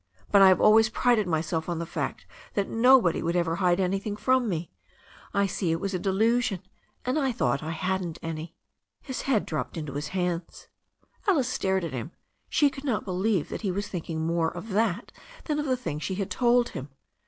But I have always prided myself on the fact that nobody would ever hide anything from me. I see it was a delusion, and I thought I hadn't any." His head dropped into his hands. Alice stared at him. She could not believe that he was thinking more of that than of the thing she had told him.